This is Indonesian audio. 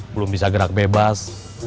belum bisa gerak bebas